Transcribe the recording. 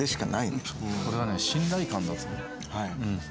これはね信頼感だと思う。